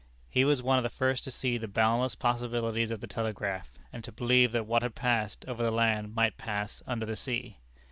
He was one of the first to see the boundless possibilities of the telegraph, and to believe that what had passed over the land might pass under the sea.